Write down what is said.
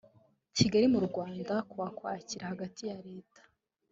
kigali mu rwanda ku wa ukwakira hagati ya leta